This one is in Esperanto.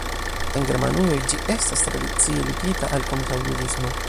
En Germanujo ĝi estas tradicie ligita al kontraŭjudismo.